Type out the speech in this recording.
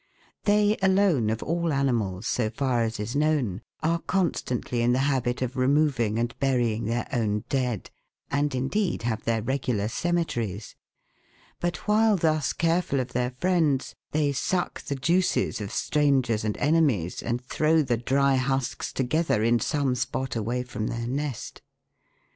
They alone of all animals, so far as is known, are con stantly in the habit of removing and burying their own dead, and, indeed, have their regular cemeteries ; but, while thus careful of their friends, they suck the juices of strangers and enemies and throw the dry husks together, in some spot away from their nest.